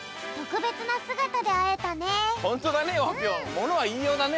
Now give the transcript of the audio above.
ものはいいようだね。